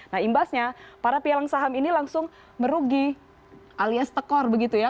nah imbasnya para pialang saham ini langsung merugi alias tekor begitu ya